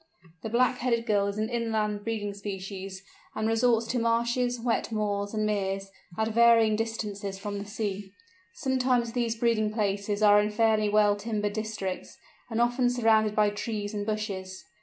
The Black headed Gull is an inland breeding species, and resorts to marshes, wet moors, and meres, at varying distances from the sea. Sometimes these breeding places are in fairly well timbered districts, and often surrounded by trees and bushes.